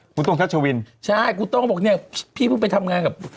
คุณโต้งชัชวินใช่คุณโต้งบอกพี่เพิ่งไปทำงานกับ